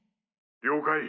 了解。